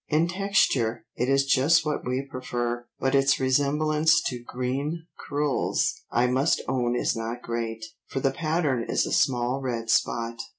In texture it is just what we prefer, but its resemblance to green crewels I must own is not great, for the pattern is a small red spot."